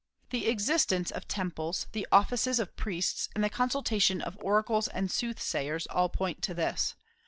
The existence of temples, the offices of priests, and the consultation of oracles and soothsayers, all point to this.